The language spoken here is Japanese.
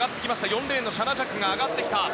４レーンのシャナ・ジャックが上がってきた。